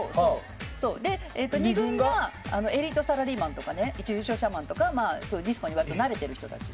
２軍がエリートサラリーマンとか一流商社マンとかそういうディスコに慣れてる人たち。